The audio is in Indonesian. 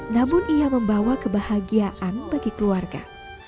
namun ia membawa kebahagiaan bagi keluarga